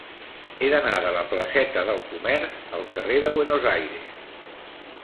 He d'anar de la placeta del Comerç al carrer de Buenos Aires.